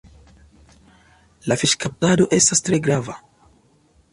La fiŝkaptado estas tre grava.